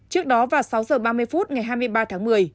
trước đó vào sáu h ba mươi phút ngày hai mươi ba tháng một mươi